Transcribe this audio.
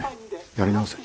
やり直せ。